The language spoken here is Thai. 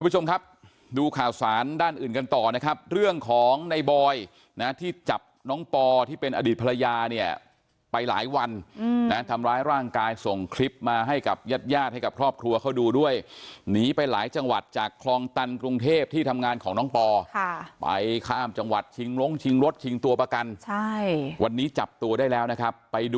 คุณผู้ชมครับดูข่าวสารด้านอื่นกันต่อนะครับเรื่องของในบอยนะที่จับน้องปอที่เป็นอดีตภรรยาเนี่ยไปหลายวันนะทำร้ายร่างกายส่งคลิปมาให้กับญาติญาติให้กับครอบครัวเขาดูด้วยหนีไปหลายจังหวัดจากคลองตันกรุงเทพที่ทำงานของน้องปอค่ะไปข้ามจังหวัดชิงลงชิงรถชิงตัวประกันใช่วันนี้จับตัวได้แล้วนะครับไปดู